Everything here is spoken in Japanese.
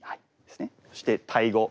そしてタイ語。